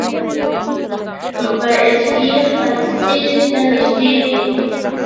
پی ایچ یې خنثی ته نږدې وي.